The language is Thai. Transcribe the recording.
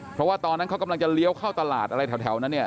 เพราะว่าตอนนั้นเขากำลังจะเลี้ยวเข้าตลาดอะไรแถวนั้นเนี่ย